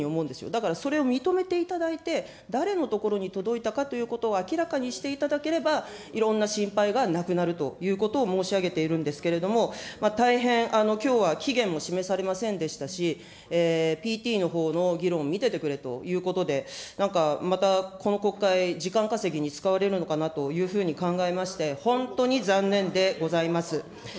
だからそれを認めていただいて、誰の所に届いたかということを明らかにしていただければ、いろんな心配がなくなるということを申し上げているんですけれども、大変、きょうは期限も示されませんでしたし、ＰＴのほうの議論、見ててくれということで、なんかまた、この国会、時間稼ぎに使われるのかなというふうに考えまして、本当に残念でございます。